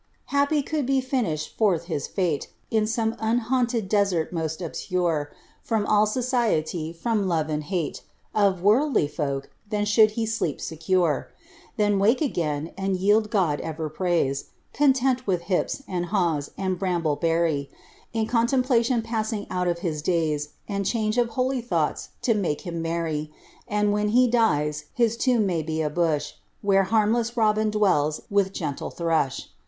Happy could he finisli forth his fate, In some unhaunted desert most obscure, From all society, from love and hate, Of worldly folk j then should he sleep secure. Then wake again, and yield God ever pmise, Content with hips, and haws, and bramble berry, In contemplation passing out his days. And change of holy thoughts to make him merry ; And when he dies his tomb may be a bush. Where harmless robin dwells with gentle thrush.